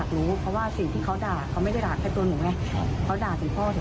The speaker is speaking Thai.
หนูก็อยากรู้เพราะว่าสิ่งที่เค้าด่า